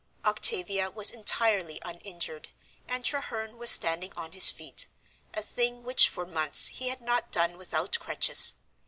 Octavia was entirely uninjured, and Treherne was standing on his feet, a thing which for months he had not done without crutches.